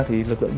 thì lực lượng